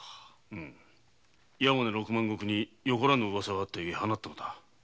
山根六万石によからぬウワサがあったゆえ放ったのだ。